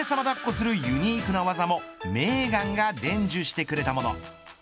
だっこするユニークな技もメーガンが伝授してくれたもの。